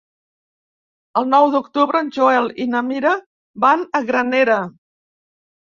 El nou d'octubre en Joel i na Mira van a Granera.